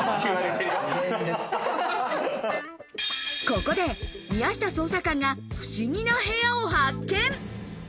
ここで宮下捜査官が不思議な部屋を発見。